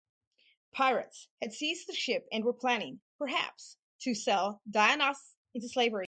Pirates had seized the ship and were planning, perhaps, to sell Dionysus into slavery.